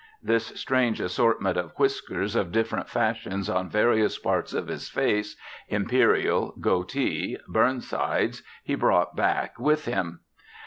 This strange assortment of whiskers of different fashions on various parts of his face, imperial, goatee, burnsides, he brought back with him.